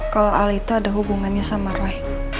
kalau ali itu ada hubungannya sama roy